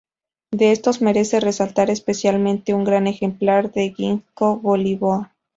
De estos merece resaltar especialmente un gran ejemplar de "Ginkgo biloba".